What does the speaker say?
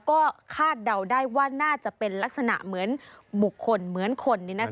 ก็คาดเดาได้ว่าน่าจะเป็นลักษณะเหมือนหมูขนเหมือนขนนี่นะครับ